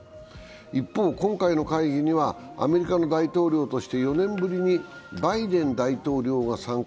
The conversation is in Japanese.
一方、今回の会議にはアメリカの大統領として４年ぶりにバイデン大統領が参加。